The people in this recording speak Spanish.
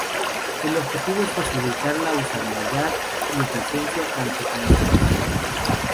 El objetivo es facilitar la usabilidad y eficiencia tanto como sea posible.